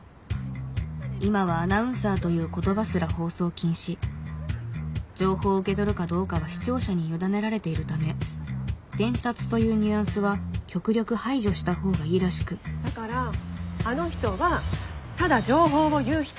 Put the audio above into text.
今はアナウンサーという言葉すら放送禁止情報を受け取るかどうかは視聴者に委ねられているため伝達というニュアンスは極力排除したほうがいいらしくだからあの人は「ただ情報を言う人」。